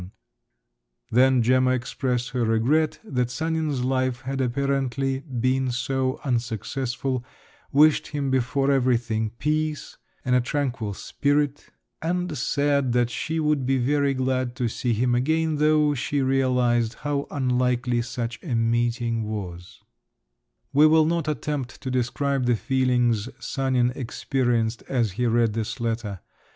Then Gemma expressed her regret that Sanin's life had apparently been so unsuccessful, wished him before everything peace and a tranquil spirit, and said that she would be very glad to see him again, though she realised how unlikely such a meeting was…. We will not attempt to describe the feelings Sanin experienced as he read this letter.